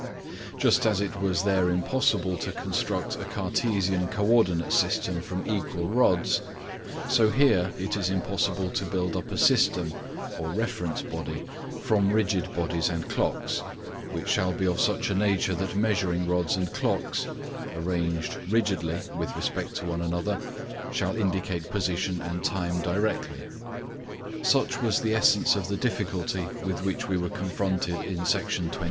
Just as it was there impossible to construct a Cartesian co ordinate system from equal rods, so here it is impossible to build up a system (reference body) from rigid bodies and clocks, which shall be of such a nature that measuring rods and clocks, arranged rigidly with respect to one another, shaIll indicate position and time directly. Such was the essence of the difficulty with which we were confronted in Section 23.